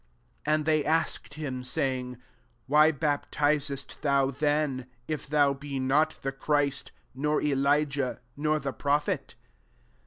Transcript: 25 And they asked him, say ing, " Why baptizest thou then, if thou be not the Christ, nor Elijah, nor the prophet